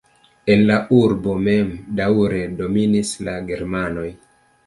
En la urbo mem daŭre dominis la germanoj.